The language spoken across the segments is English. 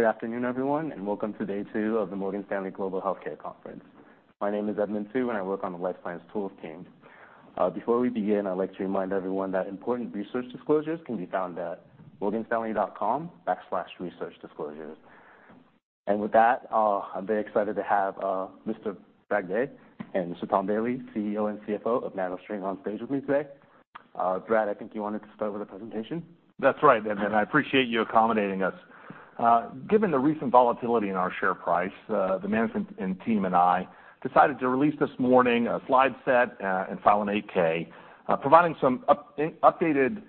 Good afternoon, everyone, and welcome to day two of the Morgan Stanley Global Healthcare Conference. My name is Edmund Tu, and I work on the Life Science Tools team. Before we begin, I'd like to remind everyone that important research disclosures can be found at morganstanley.com/researchdisclosures. And with that, I'm very excited to have Mr. Brad Gray and Mr. Tom Bailey, CEO and CFO of NanoString, on stage with me today. Brad, I think you wanted to start with the presentation? That's right, Edmund, I appreciate you accommodating us. Given the recent volatility in our share price, the management and team and I decided to release this morning a slide set and file an 8-K, providing some updated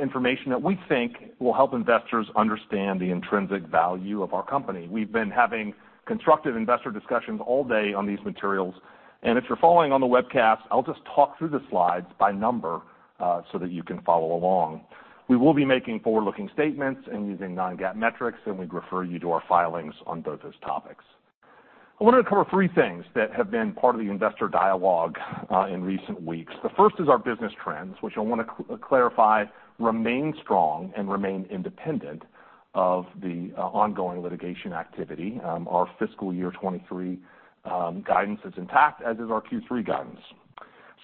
information that we think will help investors understand the intrinsic value of our company. We've been having constructive investor discussions all day on these materials, and if you're following on the webcast, I'll just talk through the slides by number, so that you can follow along. We will be making forward-looking statements and using non-GAAP metrics, and we'd refer you to our filings on both those topics. I wanna cover three things that have been part of the investor dialogue in recent weeks. The first is our business trends, which I wanna clarify, remain strong and remain independent of the ongoing litigation activity. Our fiscal year 2023 guidance is intact, as is our Q3 guidance.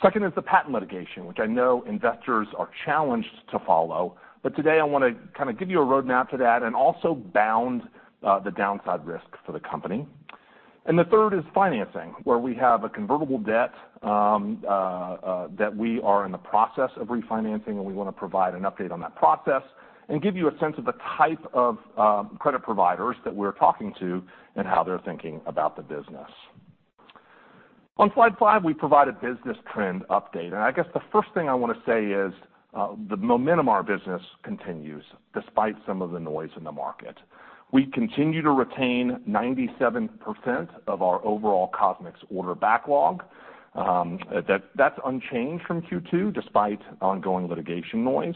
Second is the patent litigation, which I know investors are challenged to follow, but today I wanna kind of give you a roadmap to that and also bound the downside risk for the company. And the third is financing, where we have a convertible debt that we are in the process of refinancing, and we wanna provide an update on that process and give you a sense of the type of credit providers that we're talking to and how they're thinking about the business. On Slide five, we provide a business trend update, and I guess the first thing I wanna say is, the momentum of our business continues despite some of the noise in the market. We continue to retain 97% of our overall CosMx order backlog, that's unchanged from Q2, despite ongoing litigation noise.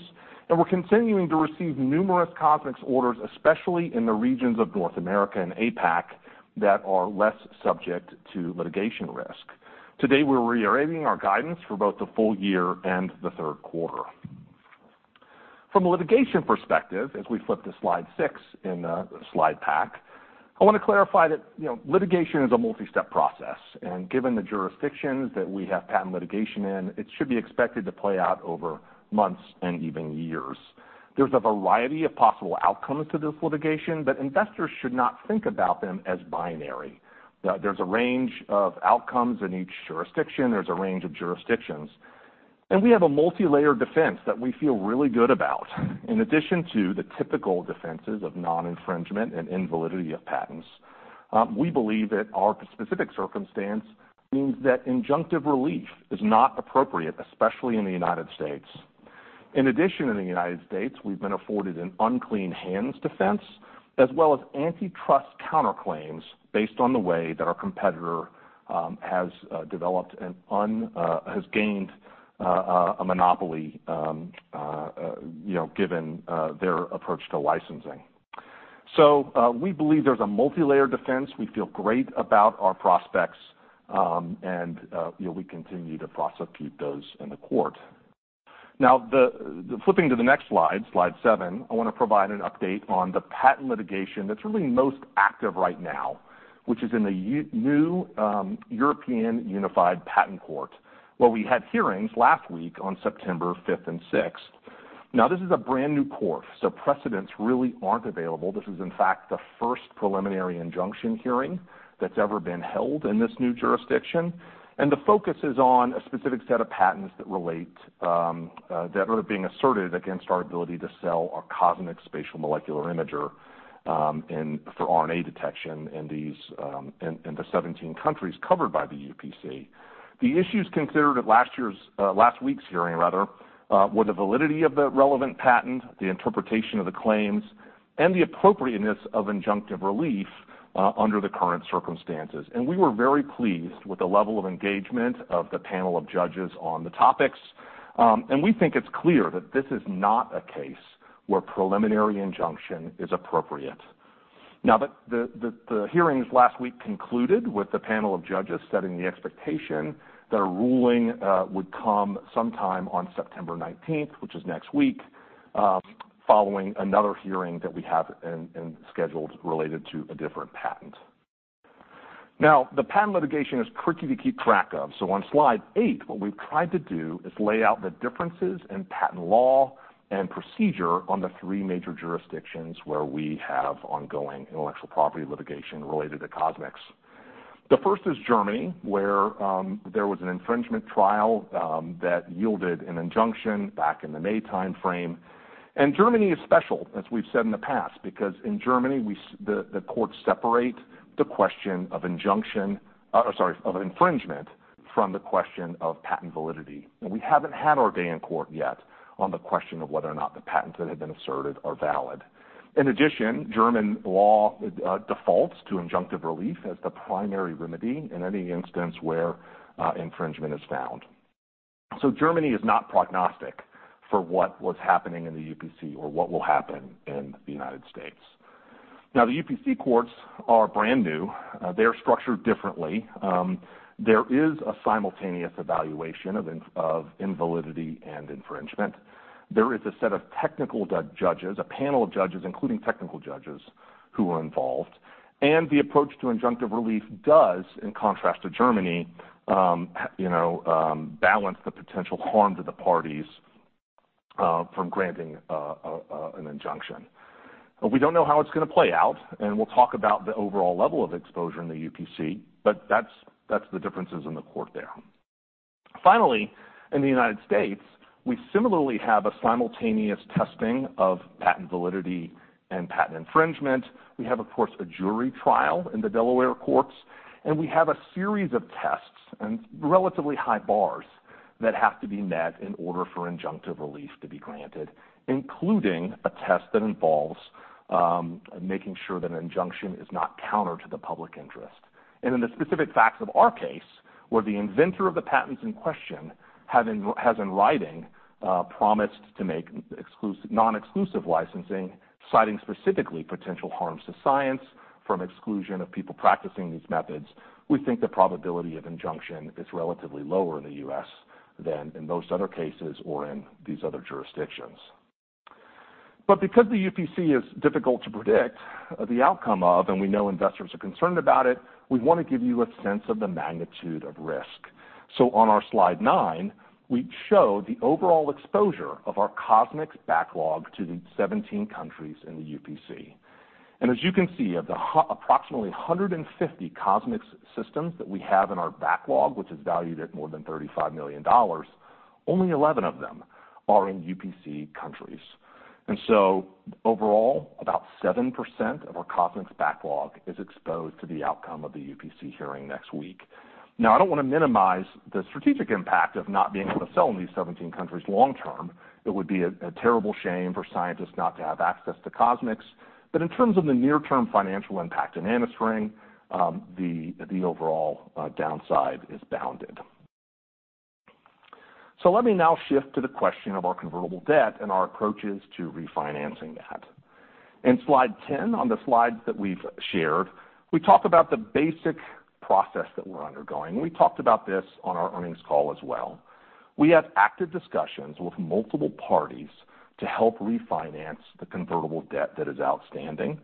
And we're continuing to receive numerous CosMx orders, especially in the regions of North America and APAC, that are less subject to litigation risk. Today, we're reiterating our guidance for both the full year and the Q3. From a litigation perspective, as we flip to Slide six in the slide pack, I wanna clarify that, you know, litigation is a multi-step process, and given the jurisdictions that we have patent litigation in, it should be expected to play out over months and even years. There's a variety of possible outcomes to this litigation, but investors should not think about them as binary. There's a range of outcomes in each jurisdiction, there's a range of jurisdictions, and we have a multilayer defense that we feel really good about. In addition to the typical defenses of non-infringement and invalidity of patents, we believe that our specific circumstance means that injunctive relief is not appropriate, especially in the United States. In addition, in the United States, we've been afforded an unclean hands defense, as well as antitrust counterclaims, based on the way that our competitor has gained a monopoly, you know, given their approach to licensing. So, we believe there's a multilayer defense. We feel great about our prospects, and you know, we continue to prosecute those in the court. Now, flipping to the next slide, Slide seven, I wanna provide an update on the patent litigation that's really most active right now, which is in the new European Unified Patent Court, where we had hearings last week on September 5th and 6th. Now, this is a brand-new court, so precedents really aren't available. This is, in fact, the first preliminary injunction hearing that's ever been held in this new jurisdiction, and the focus is on a specific set of patents that relate that are being asserted against our ability to sell our CosMx Spatial Molecular Imager for RNA detection in these 17 countries covered by the UPC. The issues considered at last year's, last week's hearing, rather, were the validity of the relevant patent, the interpretation of the claims, and the appropriateness of injunctive relief under the current circumstances. We were very pleased with the level of engagement of the panel of judges on the topics, and we think it's clear that this is not a case where preliminary injunction is appropriate. Now, the hearings last week concluded with the panel of judges setting the expectation that a ruling would come sometime on September 19th, which is next week, following another hearing that we have and scheduled related to a different patent. Now, the patent litigation is tricky to keep track of, so on Slide eight, what we've tried to do is lay out the differences in patent law and procedure on the three major jurisdictions, where we have ongoing intellectual property litigation related to CosMx. The first is Germany, where there was an infringement trial that yielded an injunction back in the May timeframe. Germany is special, as we've said in the past, because in Germany, the courts separate the question of infringement from the question of patent validity. And we haven't had our day in court yet on the question of whether or not the patents that have been asserted are valid. In addition, German law defaults to injunctive relief as the primary remedy in any instance where infringement is found. So Germany is not prognostic for what was happening in the UPC or what will happen in the United States. Now, the UPC courts are brand new. They are structured differently. There is a simultaneous evaluation of invalidity and infringement. There is a set of technical judges, a panel of judges, including technical judges, who are involved, and the approach to injunctive relief does, in contrast to Germany, you know, balance the potential harm to the parties from granting an injunction. We don't know how it's gonna play out, and we'll talk about the overall level of exposure in the UPC, but that's, that's the differences in the court there. Finally, in the United States, we similarly have a simultaneous testing of patent validity and patent infringement. We have, of course, a jury trial in the Delaware courts, and we have a series of tests and relatively high bars that have to be met in order for injunctive relief to be granted, including a test that involves making sure that an injunction is not counter to the public interest. And in the specific facts of our case, where the inventor of the patents in question has in writing promised to make non-exclusive licensing, citing specifically potential harms to science from exclusion of people practicing these methods, we think the probability of injunction is relatively lower in the U.S. than in most other cases or in these other jurisdictions. But because the UPC is difficult to predict the outcome of, and we know investors are concerned about it, we wanna give you a sense of the magnitude of risk. So on our Slide nine, we show the overall exposure of our CosMx backlog to the 17 countries in the UPC. And as you can see, of the approximately 150 CosMx systems that we have in our backlog, which is valued at more than $35 million, only 11 of them are in UPC countries. And so overall, about 7% of our CosMx backlog is exposed to the outcome of the UPC hearing next week. Now, I don't wanna minimize the strategic impact of not being able to sell in these 17 countries long term. It would be a terrible shame for scientists not to have access to CosMx. But in terms of the near-term financial impact in NanoString, the overall downside is bounded. So let me now shift to the question of our convertible debt and our approaches to refinancing that. In Slide 10, on the slides that we've shared, we talk about the basic process that we're undergoing. We talked about this on our earnings call as well. We have active discussions with multiple parties to help refinance the convertible debt that is outstanding.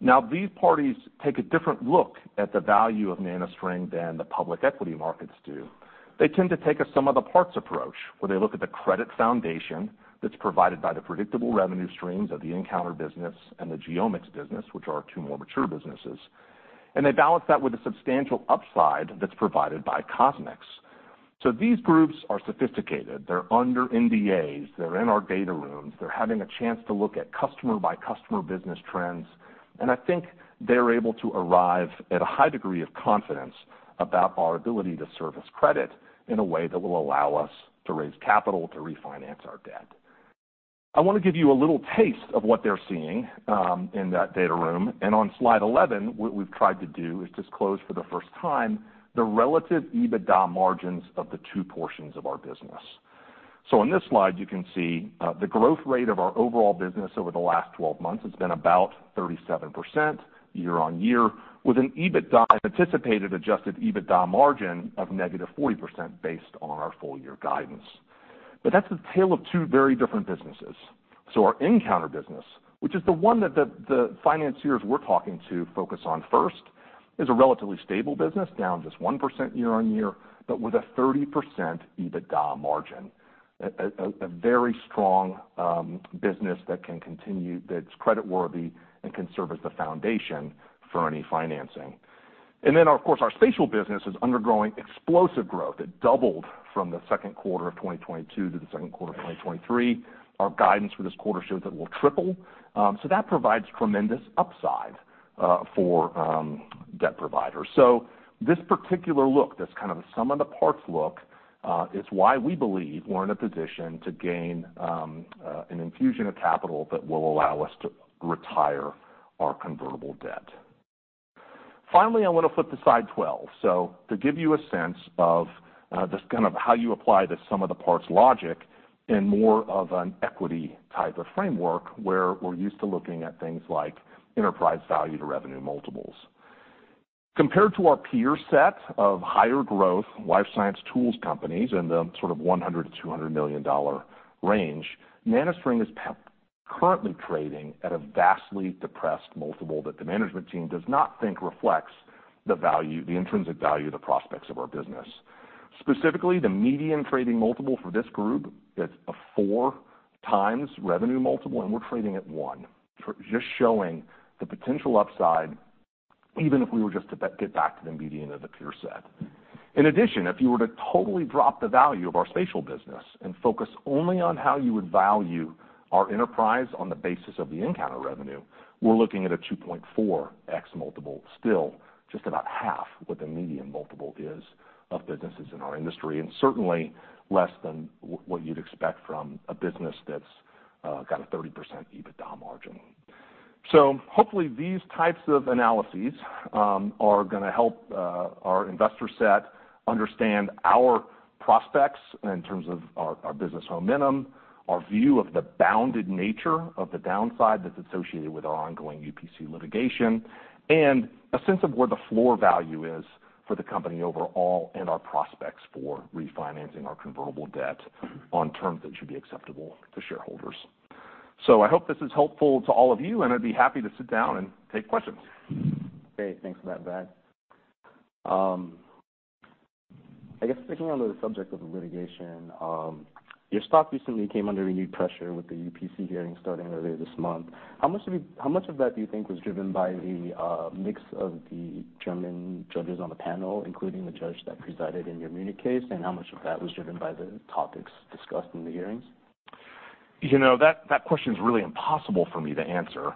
Now, these parties take a different look at the value of NanoString than the public equity markets do. They tend to take a sum of the parts approach, where they look at the credit foundation that's provided by the predictable revenue streams of the nCounter business and the GeoMx business, which are our two more mature businesses, and they balance that with a substantial upside that's provided by CosMx. So these groups are sophisticated, they're under NDAs, they're in our data rooms, they're having a chance to look at customer-by-customer business trends, and I think they're able to arrive at a high degree of confidence about our ability to service credit in a way that will allow us to raise capital to refinance our debt. I wanna give you a little taste of what they're seeing in that data room. On Slide 11, what we've tried to do is disclose for the first time the relative EBITDA margins of the two portions of our business. In this slide, you can see the growth rate of our overall business over the last 12 months has been about 37% year-on-year, with an anticipated adjusted EBITDA margin of -40% based on our full-year guidance. But that's a tale of two very different businesses. So our nCounter business, which is the one that the financiers we're talking to focus on first, is a relatively stable business, down just 1% year-on-year, but with a 30% EBITDA margin. A very strong business that can continue, that's creditworthy and can serve as the foundation for any financing. And then, of course, our spatial business is undergoing explosive growth. It doubled from the Q2 of 2022 to the Q2 of 2023. Our guidance for this quarter shows that it will triple. So that provides tremendous upside for debt providers. So this particular look, that's kind of a sum of the parts look, is why we believe we're in a position to gain an infusion of capital that will allow us to retire our convertible debt. Finally, I wanna flip to Slide 12. So to give you a sense of just kind of how you apply the sum of the parts logic in more of an equity type of framework, where we're used to looking at things like enterprise value to revenue multiples. Compared to our peer set of higher growth life science tools companies in the sort of $100 million-$200 million range, NanoString is currently trading at a vastly depressed multiple that the management team does not think reflects the value, the intrinsic value of the prospects of our business. Specifically, the median trading multiple for this group, that's a 4x revenue multiple, and we're trading at 1. For just showing the potential upside, even if we were just to get back to the median of the peer set. In addition, if you were to totally drop the value of our spatial business and focus only on how you would value our enterprise on the basis of the nCounter revenue, we're looking at a 2.4x multiple, still just about half what the median multiple is of businesses in our industry, and certainly less than what you'd expect from a business that's got a 30% EBITDA margin.... So hopefully these types of analyses are gonna help our investor set understand our prospects in terms of our business momentum, our view of the bounded nature of the downside that's associated with our ongoing UPC litigation, and a sense of where the floor value is for the company overall, and our prospects for refinancing our convertible debt on terms that should be acceptable to shareholders. I hope this is helpful to all of you, and I'd be happy to sit down and take questions. Okay, thanks for that, Brad. I guess sticking on the subject of the litigation, your stock recently came under renewed pressure with the UPC hearing starting earlier this month. How much of it--how much of that do you think was driven by the mix of the German judges on the panel, including the judge that presided in your Munich case, and how much of that was driven by the topics discussed in the hearings? You know, that, that question is really impossible for me to answer.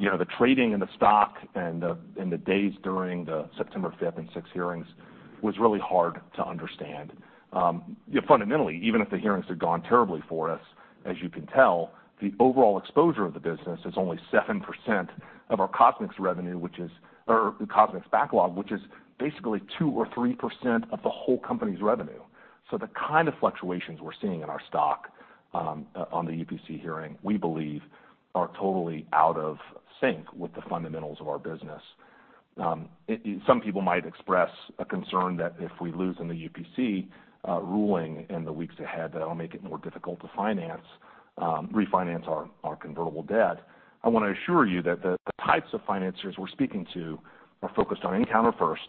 You know, the trading in the stock and the, and the days during the September 5th and 6th hearings was really hard to understand. Yeah, fundamentally, even if the hearings had gone terribly for us, as you can tell, the overall exposure of the business is only 7% of our CosMx revenue, which is or CosMx backlog, which is basically 2% or 3% of the whole company's revenue. So the kind of fluctuations we're seeing in our stock, on the UPC hearing, we believe are totally out of sync with the fundamentals of our business. It, some people might express a concern that if we lose in the UPC, ruling in the weeks ahead, that it'll make it more difficult to finance, refinance our, our convertible debt. I wanna assure you that the types of financiers we're speaking to are focused on nCounter first,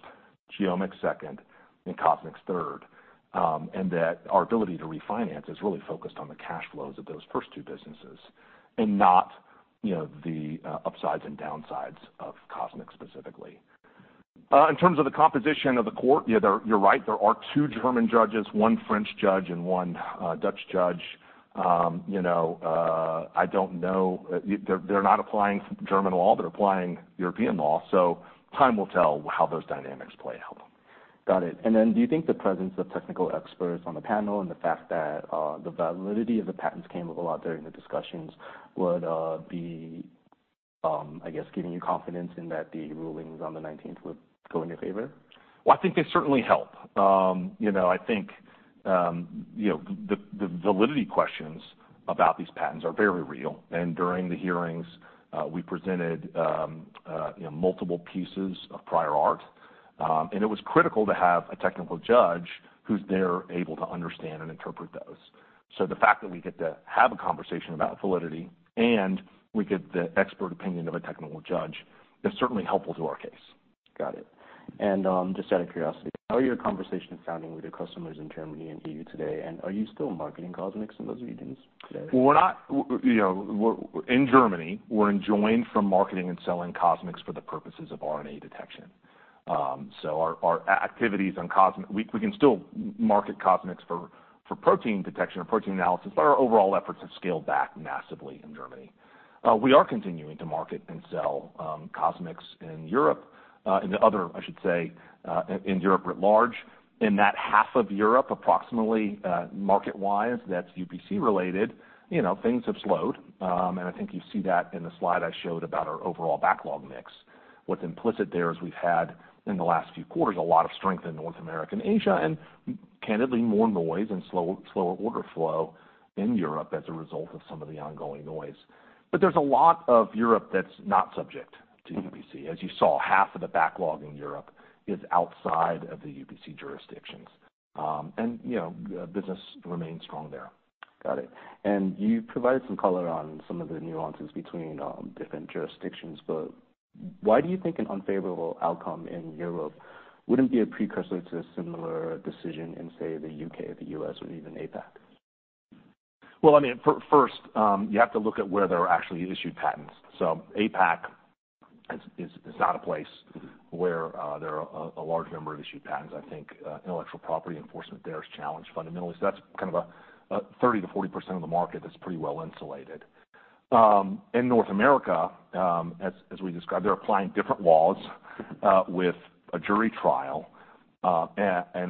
GeoMx second, and CosMx third, and that our ability to refinance is really focused on the cash flows of those first two businesses and not, you know, the upsides and downsides of CosMx specifically. In terms of the composition of the court, yeah, you're right, there are two German judges, one French judge, and one Dutch judge. You know, I don't know... They're not applying German law, they're applying European law, so time will tell how those dynamics play out. Got it. And then, do you think the presence of technical experts on the panel and the fact that the validity of the patents came up a lot during the discussions would be, I guess, giving you confidence in that the rulings on the nineteenth would go in your favor? Well, I think they certainly help. You know, I think, you know, the validity questions about these patents are very real, and during the hearings, we presented, you know, multiple pieces of prior art. And it was critical to have a technical judge who's there, able to understand and interpret those. So the fact that we get to have a conversation about validity, and we get the expert opinion of a technical judge, is certainly helpful to our case. Got it. And, just out of curiosity, how are your conversations sounding with your customers in Germany and EU today, and are you still marketing CosMx in those regions today? Well, you know, we're in Germany, we're enjoined from marketing and selling CosMx for the purposes of RNA detection. So our activities on CosMx, we can still market CosMx for protein detection or protein analysis, but our overall efforts have scaled back massively in Germany. We are continuing to market and sell CosMx in Europe, in the other, I should say, in Europe writ large. In that half of Europe, approximately, market-wise, that's UPC related, you know, things have slowed. And I think you see that in the slide I showed about our overall backlog mix. What's implicit there is we've had, in the last few quarters, a lot of strength in North America and Asia, and candidly, more noise and slower order flow in Europe as a result of some of the ongoing noise. But there's a lot of Europe that's not subject to UPC. As you saw, half of the backlog in Europe is outside of the UPC jurisdictions. And, you know, business remains strong there. Got it. And you provided some color on some of the nuances between different jurisdictions, but why do you think an unfavorable outcome in Europe wouldn't be a precursor to a similar decision in, say, the U.K., or the U.S., or even APAC? Well, I mean, first, you have to look at where there are actually issued patents. So APAC is not a place where there are a large number of issued patents. I think intellectual property enforcement there is challenged fundamentally. So that's kind of a 30%-40% of the market that's pretty well insulated. In North America, as we described, they're applying different laws with a jury trial and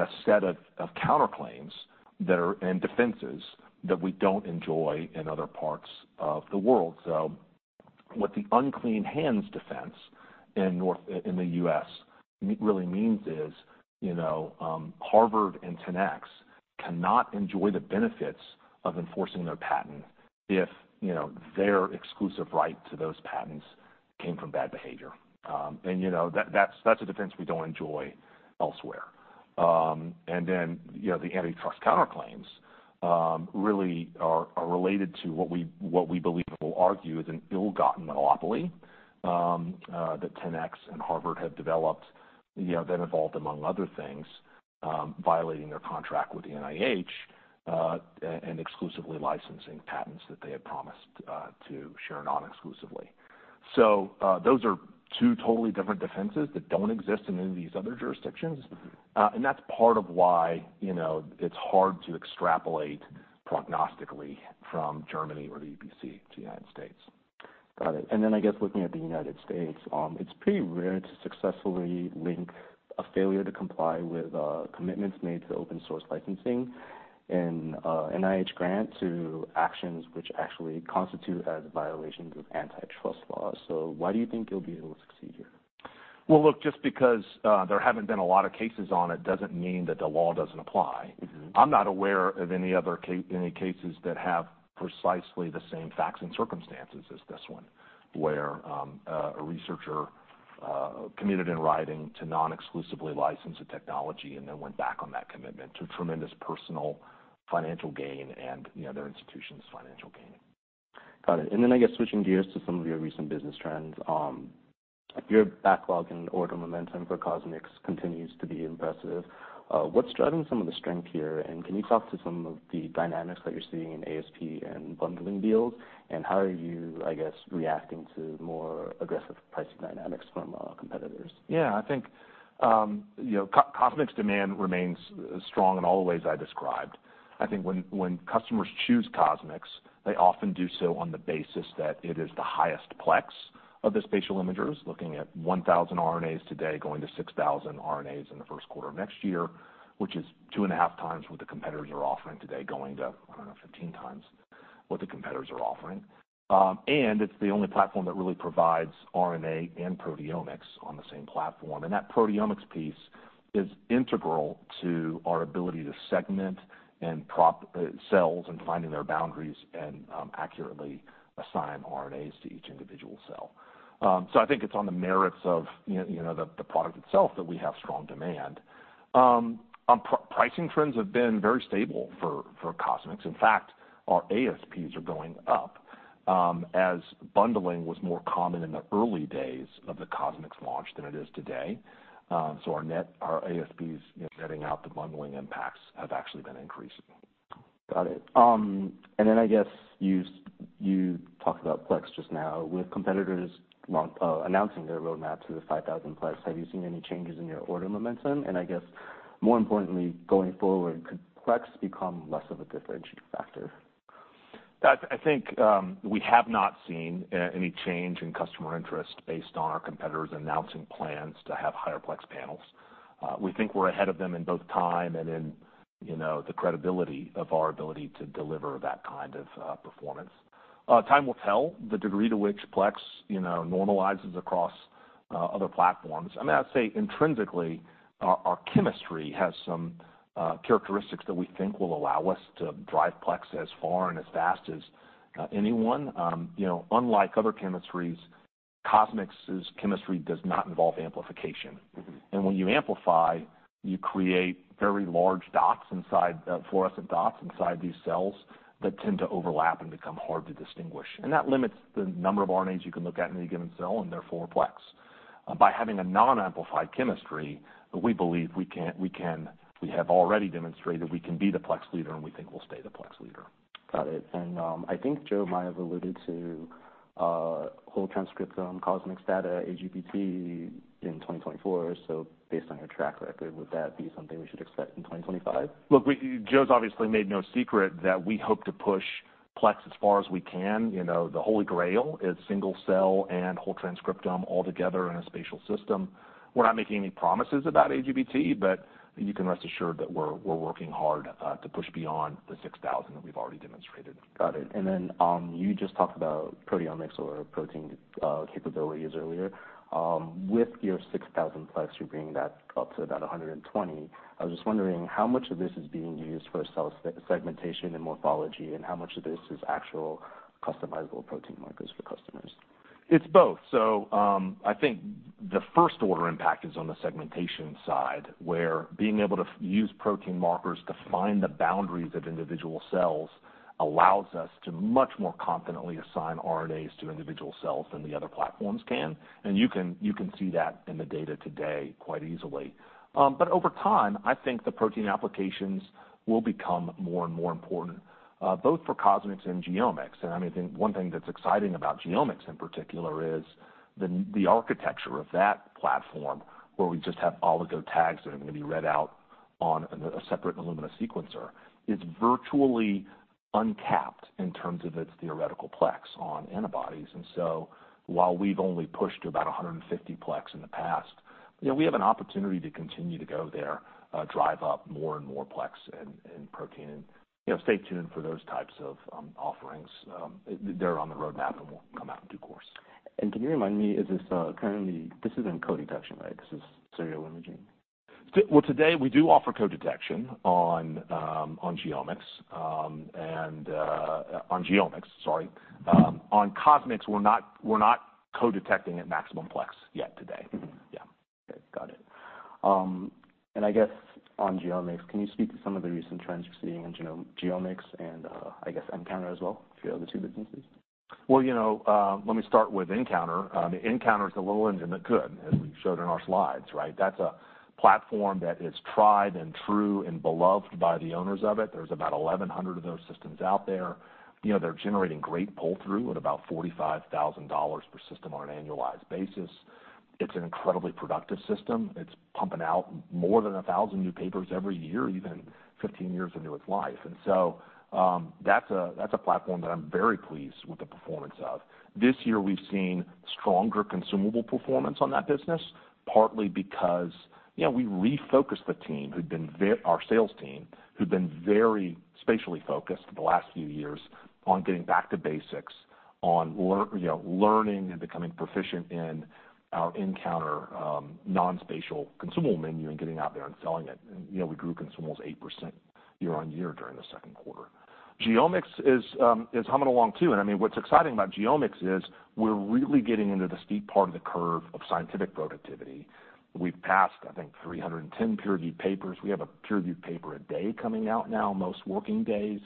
a set of counterclaims and defenses that we don't enjoy in other parts of the world. So what the unclean hands defense in North America in the U.S. really means is, you know, Harvard and 10x cannot enjoy the benefits of enforcing their patent if, you know, their exclusive right to those patents came from bad behavior. And you know, that's a defense we don't enjoy elsewhere. And then, you know, the antitrust counterclaims really are related to what we believe people argue is an ill-gotten monopoly that 10x and Harvard have developed, you know, that involved, among other things, violating their contract with the NIH, and exclusively licensing patents that they had promised to share non-exclusively. So, those are two totally different defenses that don't exist in any of these other jurisdictions. And that's part of why, you know, it's hard to extrapolate prognostically from Germany or the UPC to the United States. Got it. And then, I guess, looking at the United States, it's pretty rare to successfully link a failure to comply with commitments made to open source licensing in NIH grant to actions which actually constitute as violations of antitrust laws. So why do you think you'll be able to succeed here? Well, look, just because there haven't been a lot of cases on it, doesn't mean that the law doesn't apply. Mm-hmm. I'm not aware of any other cases that have precisely the same facts and circumstances as this one, where a researcher committed in writing to non-exclusively license a technology and then went back on that commitment to tremendous personal financial gain and, you know, their institution's financial gain. Got it. And then, I guess, switching gears to some of your recent business trends. Your backlog and order momentum for CosMx continues to be impressive. What's driving some of the strength here? And can you talk to some of the dynamics that you're seeing in ASP and bundling deals? And how are you, I guess, reacting to more aggressive pricing dynamics from competitors? Yeah, I think, you know, CosMx demand remains strong in all the ways I described. I think when customers choose CosMx, they often do so on the basis that it is the highest plex of the spatial imagers, looking at 1,000 RNAs today, going to 6,000 RNAs in the Q1 of next year, which is 2.5 times what the competitors are offering today, going to, I don't know, 15 times what the competitors are offering. And it's the only platform that really provides RNA and proteomics on the same platform. And that proteomics piece is integral to our ability to segment and probe cells, and finding their boundaries and accurately assign RNAs to each individual cell. So I think it's on the merits of, you know, the product itself that we have strong demand. Pricing trends have been very stable for CosMx. In fact, our ASPs are going up, as bundling was more common in the early days of the CosMx launch than it is today. So our net, our ASPs, you know, netting out the bundling impacts, have actually been increasing. Got it. And then, I guess, you talked about plex just now. With competitors launch, announcing their roadmap to the 5,000 plex, have you seen any changes in your order momentum? And I guess, more importantly, going forward, could plex become less of a differentiating factor? That, I think, we have not seen any change in customer interest based on our competitors announcing plans to have higher plex panels. We think we're ahead of them in both time and in, you know, the credibility of our ability to deliver that kind of performance. Time will tell the degree to which plex, you know, normalizes across other platforms. I mean, I'd say intrinsically, our chemistry has some characteristics that we think will allow us to drive plex as far and as fast as anyone. You know, unlike other chemistries, CosMx's chemistry does not involve amplification. Mm-hmm. When you amplify, you create very large dots inside, fluorescent dots inside these cells, that tend to overlap and become hard to distinguish. That limits the number of RNAs you can look at in a given cell, and therefore, plex. By having a non-amplified chemistry, we believe we can. We have already demonstrated we can be the plex leader, and we think we'll stay the plex leader. Got it. And, I think Joe might have alluded to whole transcriptome CosMx data, AGBT, in 2024. So based on your track record, would that be something we should expect in 2025? Look, we, Joe's obviously made no secret that we hope to push plex as far as we can. You know, the holy grail is single cell and whole transcriptome all together in a spatial system. We're not making any promises about AGBT, but you can rest assured that we're working hard to push beyond the 6,000 that we've already demonstrated. Got it. And then, you just talked about proteomics or protein capabilities earlier. With your 6,000-plex, you're bringing that up to about 120. I was just wondering, how much of this is being used for cell segmentation and morphology, and how much of this is actual customizable protein markers for customers? It's both. So, I think the first order impact is on the segmentation side, where being able to use protein markers to find the boundaries of individual cells, allows us to much more confidently assign RNAs to individual cells than the other platforms can. And you can, you can see that in the data today quite easily. But over time, I think the protein applications will become more and more important, both for CosMx and GeoMx. And I mean, I think one thing that's exciting about GeoMx in particular, is the architecture of that platform, where we just have oligo tags that are going to be read out on a separate Illumina sequencer, is virtually uncapped in terms of its theoretical plex on antibodies. While we've only pushed to about 150 plex in the past, you know, we have an opportunity to continue to go there, drive up more and more plex and, and protein. You know, stay tuned for those types of offerings. They're on the roadmap and will come out in due course. Can you remind me, is this currently... This isn't co-detection, right? This is serial imaging. Well, today, we do offer co-detection on GeoMx and on GeoMx, sorry. On CosMx, we're not, we're not co-detecting at maximum plex yet today. Yeah. Okay, got it. And I guess on GeoMx, can you speak to some of the recent trends you're seeing in Genome- GeoMx and, I guess nCounter as well, if you have the two businesses? Well, you know, let me start with nCounter. nCounter is the little engine that could, as we showed in our slides, right? That's a platform that is tried and true and beloved by the owners of it. There's about 1,100 of those systems out there. You know, they're generating great pull-through at about $45,000 per system on an annualized basis. It's an incredibly productive system. It's pumping out more than 1,000 new papers every year, even 15 years into its life. And so, that's a platform that I'm very pleased with the performance of. This year, we've seen-... stronger consumable performance on that business, partly because, you know, we refocused the team, our sales team, who'd been very spatially focused for the last few years on getting back to basics, you know, learning and becoming proficient in our nCounter non-spatial consumable menu and getting out there and selling it. And, you know, we grew consumables 8% year-on-year during the Q2. GeoMx is humming along, too. And I mean, what's exciting about GeoMx is we're really getting into the steep part of the curve of scientific productivity. We've passed, I think, 310 peer-reviewed papers. We have a peer-reviewed paper a day coming out now, most working days.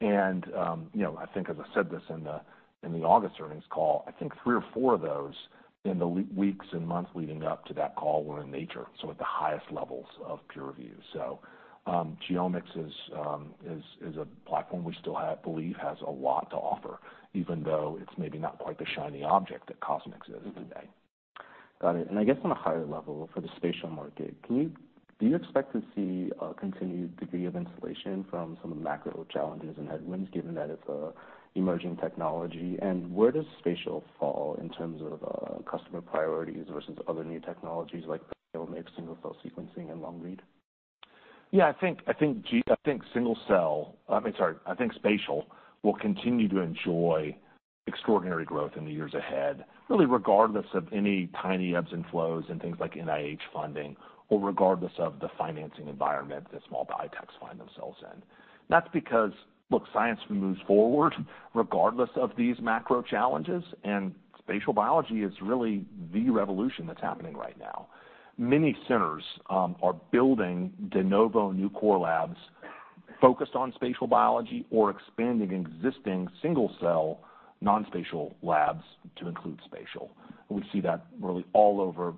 You know, I think as I said this in the August earnings call, I think three or four of those in the leading weeks and months leading up to that call were in Nature, so at the highest levels of peer review. GeoMx is a platform we still believe has a lot to offer, even though it's maybe not quite the shiny object that CosMx is today. Got it. And I guess on a higher level, for the spatial market, do you expect to see a continued degree of insulation from some of the macro challenges and headwinds, given that it's an emerging technology? And where does spatial fall in terms of customer priorities versus other new technologies like GeoMx, single-cell sequencing, and long-read? Yeah, I think... I mean, sorry, I think spatial will continue to enjoy extraordinary growth in the years ahead, really, regardless of any tiny ebbs and flows and things like NIH funding, or regardless of the financing environment that small biotechs find themselves in. That's because, look, science moves forward regardless of these macro challenges, and spatial biology is really the revolution that's happening right now. Many centers are building de novo new core labs focused on spatial biology or expanding existing single-cell non-spatial labs to include spatial. We see that really all over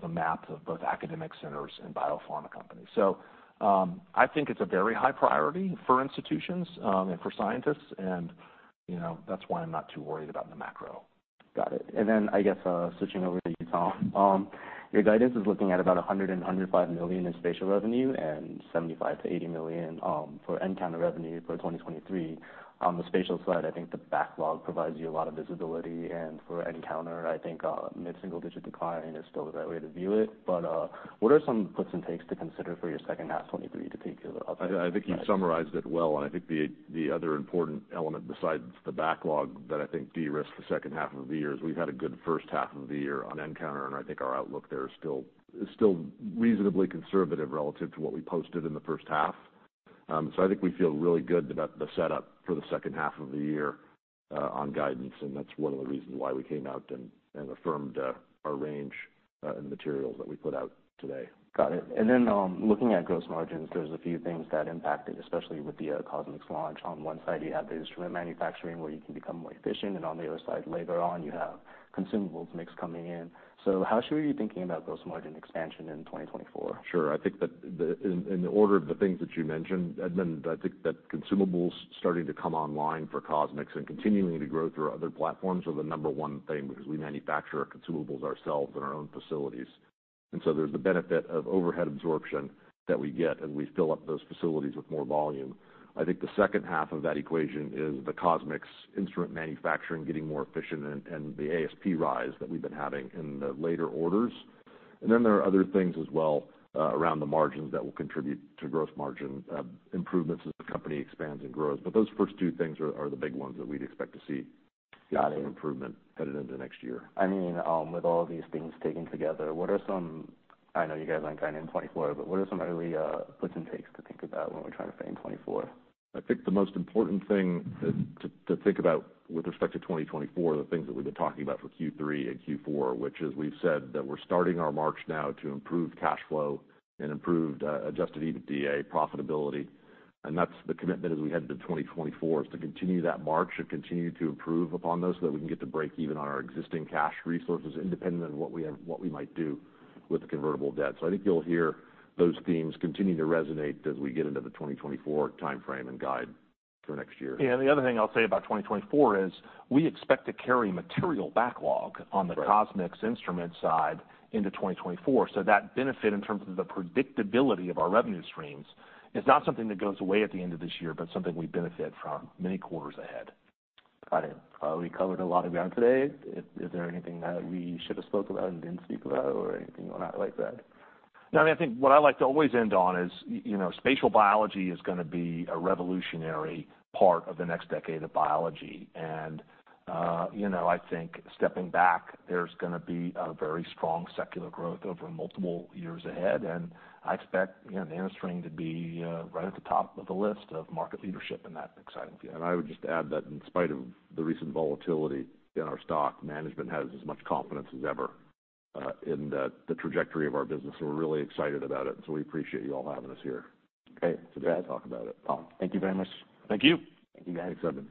the map of both academic centers and biopharma companies. So, I think it's a very high priority for institutions and for scientists, and, you know, that's why I'm not too worried about the macro. Got it. And then I guess, switching over to you, Tom, your guidance is looking at about $105 million in spatial revenue, and $75 million-$80 million for nCounter revenue for 2023. On the spatial side, I think the backlog provides you a lot of visibility, and for nCounter, I think, mid-single-digit decline is still the right way to view it. But, what are some puts and takes to consider for your second half 2023 to take your other- I think you summarized it well, and I think the other important element besides the backlog that I think de-risks the second half of the year is we've had a good first half of the year on nCounter, and I think our outlook there is still reasonably conservative relative to what we posted in the first half. So I think we feel really good about the setup for the second half of the year on guidance, and that's one of the reasons why we came out and affirmed our range in the materials that we put out today. Got it. And then, looking at gross margins, there's a few things that impact it, especially with the CosMx launch. On one side, you have the instrument manufacturing, where you can become more efficient, and on the other side, later on, you have consumables mix coming in. So how should we be thinking about gross margin expansion in 2024? Sure. I think that the... In the order of the things that you mentioned, Edmund, I think that consumables starting to come online for CosMx and continuing to grow through our other platforms are the number one thing, because we manufacture our consumables ourselves in our own facilities. And so there's the benefit of overhead absorption that we get as we fill up those facilities with more volume. I think the second half of that equation is the CosMx instrument manufacturing getting more efficient and the ASP rise that we've been having in the later orders. And then there are other things as well around the margins that will contribute to gross margin improvements as the company expands and grows. But those first two things are the big ones that we'd expect to see- Got it. Some improvement headed into next year. I mean, with all these things taken together, what are some... I know you guys aren't guiding in 2024, but what are some early, puts and takes to think about when we're trying to frame 2024? I think the most important thing to think about with respect to 2024 are the things that we've been talking about for Q3 and Q4, which is we've said that we're starting our march now to improve cash flow and improve the adjusted EBITDA profitability. And that's the commitment as we head into 2024, is to continue that march and continue to improve upon those, so that we can get to breakeven on our existing cash resources, independent on what we might do with the convertible debt. So I think you'll hear those themes continue to resonate as we get into the 2024 timeframe and guide for next year. Yeah, and the other thing I'll say about 2024 is, we expect to carry material backlog- Right. -on the CosMx instrument side into 2024. That benefit, in terms of the predictability of our revenue streams, is not something that goes away at the end of this year, but something we benefit from many quarters ahead. Got it. We covered a lot of ground today. Is, is there anything that we should have spoke about and didn't speak about or anything like that? No, I think what I like to always end on is, you know, spatial biology is gonna be a revolutionary part of the next decade of biology. And, you know, I think stepping back, there's gonna be a very strong secular growth over multiple years ahead, and I expect, you know, NanoString to be, right at the top of the list of market leadership in that exciting field. And I would just add that in spite of the recent volatility in our stock, management has as much confidence as ever, in the trajectory of our business, so we're really excited about it. So we appreciate you all having us here. Great. To talk about it. Thank you very much. Thank you. Thank you, guys. Thanks, Edmund.